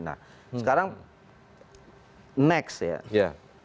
nah sekarang next ya